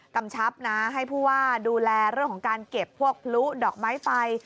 กำชับนะให้ผู้ว่าดูแลเรื่องของการเก็บพวกพลุดอกไม้ไฟ